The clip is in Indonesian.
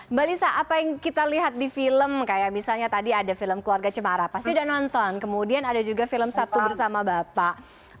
mbak lisa apa yang kita lihat di film kayak misalnya tadi ada film keluarga cemara pasti udah nonton kemudian ada juga film sabtu bersama bapak